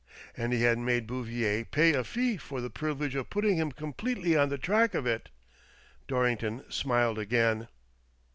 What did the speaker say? And he had made Bouvier pay a fee for the privilege of putting him completely on the track of it ! Dorrington smiled again.